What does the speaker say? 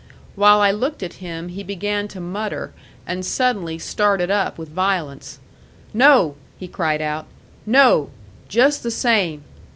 While I looked at him he began to mutter, and suddenly started up with violence. "No!" he cried out; "no! Just the same!"